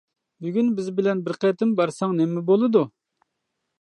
بۈگۈن بىز بىلەن بىر قېتىم بارساڭ نېمە بولىدۇ.